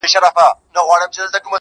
خو ستا د زلفو له هر تار سره خبرې کوي~